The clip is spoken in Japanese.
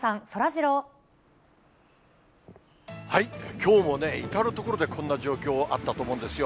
きょうもね、至る所でこんな状況、あったと思うんですよ。